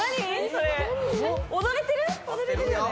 それ踊れてるよね？